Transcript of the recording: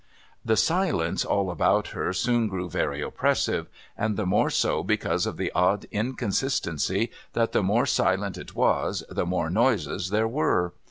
' The silence all about her soon grew very oppressive, and the more so because of the odd inconsistency that the more silent it was, the more noises there were.